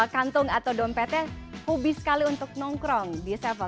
kantung atau dompetnya hobi sekali untuk nongkrong di several